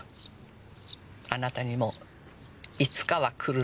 あなたにもいつかは来るのよ。